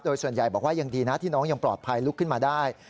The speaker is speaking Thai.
โดยส่วนใหญ่บอกว่ายังดีนะที่น้องยังปลอดภัยลุกขึ้นมาได้